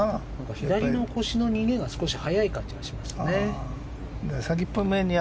左の腰の逃げが速い感じがしますよね。